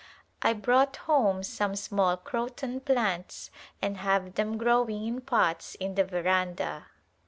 I brought home some small croton plants and have them growing in pots in the veranda.